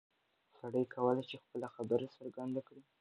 سړی کولی شي خپله خبره څرګنده کړي.